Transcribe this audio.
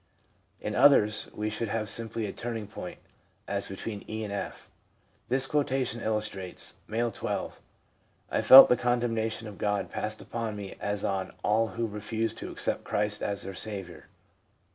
In others we should have simply a turning point, as between e and /. This quotation illustrates: M., 12. ' I felt the condemnation of God passed upon me as on all who refuse to accept Christ as their Saviour.